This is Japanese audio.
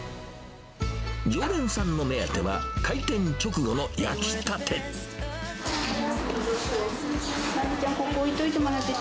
常連さんの目当ては、開店直後の焼きたて。